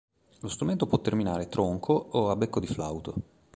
Lo strumento può terminare tronco o a becco di flauto.